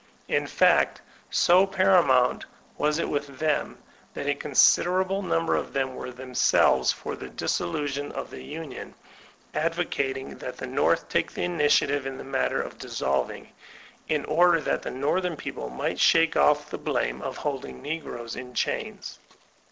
In fact, so para mount was it with them, tliat a considerable number of them were themselves for the dissolution of the union, advocating that the North take the initiative in the mat ter of dissolving, in order that the northern people might shake off the blame of holding n^roes in chains.